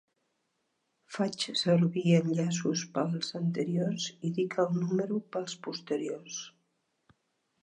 Faig servir "enllaços" pels anteriors i dic el número pels posteriors.